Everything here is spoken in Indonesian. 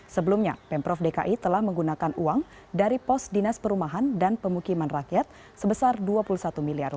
sebelumnya pemprov dki telah menggunakan uang dari pos dinas perumahan dan pemukiman rakyat sebesar rp dua puluh satu miliar